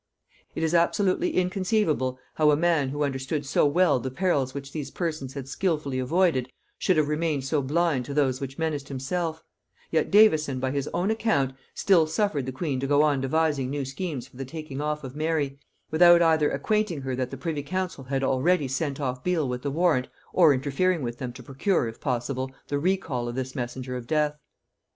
It is absolutely inconceivable how a man who understood so well the perils which these persons had skilfully avoided, should have remained so blind to those which menaced himself; yet Davison, by his own account, still suffered the queen to go on devising new schemes for the taking off of Mary, without either acquainting her that the privy council had already sent off Beal with the warrant, or interfering with them to procure, if possible, the recall of this messenger of death.